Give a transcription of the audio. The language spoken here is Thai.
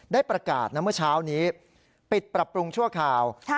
ได้ประกาศนะเมื่อเช้านี้ปิดปรับปรุงชั่วคราว